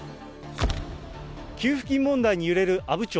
給付金問題に揺れる阿武町。